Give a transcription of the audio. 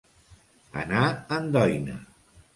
Anar en doina.